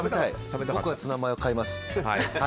僕はツナマヨ買います。